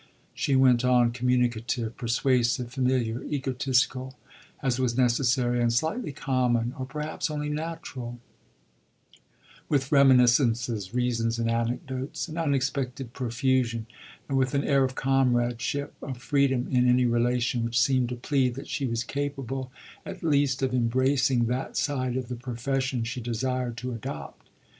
She went on, communicative, persuasive, familiar, egotistical (as was necessary), and slightly common, or perhaps only natural; with reminiscences, reasons, and anecdotes, an unexpected profusion, and with an air of comradeship, of freedom in any relation, which seemed to plead that she was capable at least of embracing that side of the profession she desired to adopt.